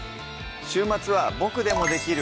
週末は「ボクでもできる！